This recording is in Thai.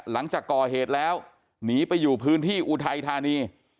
หลังจากก่อเหตุแล้วหนีไปอยู่พื้นที่อุทัยธานี